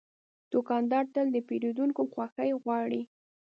دوکاندار تل د پیرودونکو خوښي غواړي.